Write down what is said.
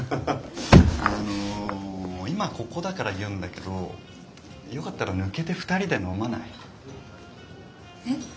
あの今ここだから言うんだけどよかったら抜けて２人で飲まない？え？